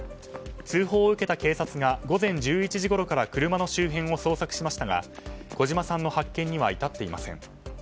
通報を受けた警察が午前１１時ごろから車の周辺を捜索しましたが小嶋さんの発見には至っていません。